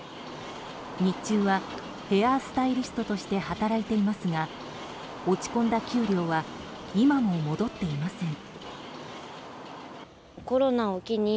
日中はヘアスタイリストとして働いていますが落ち込んだ給料は今も戻っていません。